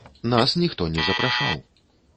Нас ніхто не запрашаў.